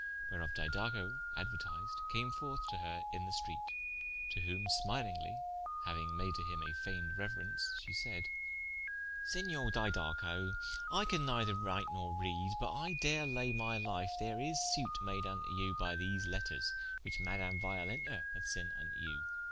Whereof Didaco aduertised, came forth to her into the streate, to whom smilingly (hauing made to him a fayned reuerence) she said: "Senior Didaco, I can neither write nor reade, but I dare laie my life, ther is sute made vnto you by these letters, which Madame Violenta hath sent vnto you.